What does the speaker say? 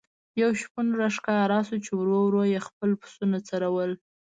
یو شپون را ښکاره شو چې ورو ورو یې خپل پسونه څرول.